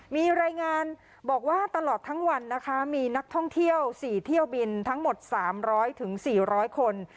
มีรายงานบอกว่าตลอดทั้งวันนะคะมีนักท่องเที่ยว๔เที่ยวบินทั้งหมด๓๐๐๔๐๐คน